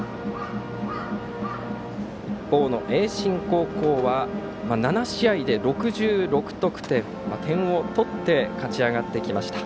一方の盈進高校は７試合で６６得点点を取って勝ち上がってきました。